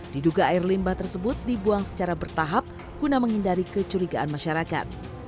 diduga air limbah tersebut dibuang secara bertahap guna menghindari kecurigaan masyarakat